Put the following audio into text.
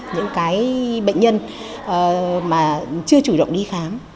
những cái bệnh nhân mà chưa chủ động đi khám